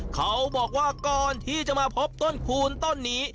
เขาบอกว่าก่อนที่จะมาพบต้นคูณต้นนี้